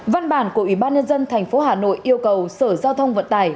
văn bản của ủy ban nhân dân thành phố hà nội yêu cầu sở giao thông vận tải